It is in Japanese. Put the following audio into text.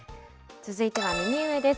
続いては右上です。